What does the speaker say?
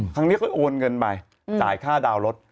ครั้งนี้เขาโอนเงินไปจ่ายค่าดาวน์รถ